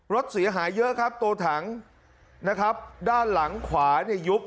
รถเสียหายเยอะครับตัวถังนะครับด้านหลังขวาเนี่ยยุบ